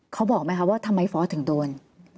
เขาบอกไหมคะว่าทำไมฟอร์สถึงโดน